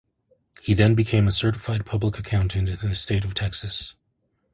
He then became a certified public accountant in the state of Texas.